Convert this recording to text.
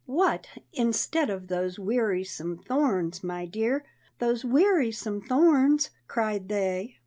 "What, instead of those wearisome thorns, my dear, Those wearisome thorns?" cried they.